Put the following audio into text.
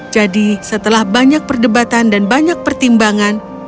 jadi setelah banyak perdebatan dan banyak pertimbangan